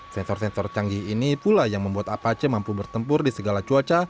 sensor sensor canggih ini pula yang membuat apache mampu bertempur di segala cuaca